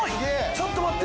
ちょっと待って！